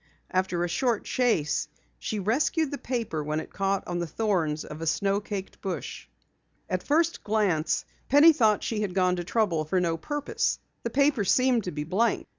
After a short chase she rescued the paper when it caught on the thorns of a snow caked bush. At first glance Penny thought she had gone to trouble for no purpose. The paper seemed to be blank.